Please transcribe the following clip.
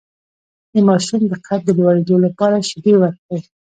د ماشوم د قد د لوړیدو لپاره شیدې ورکړئ